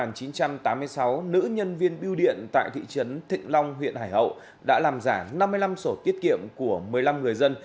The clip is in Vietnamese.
năm một nghìn chín trăm tám mươi sáu nữ nhân viên biêu điện tại thị trấn thịnh long huyện hải hậu đã làm giả năm mươi năm sổ tiết kiệm của một mươi năm người dân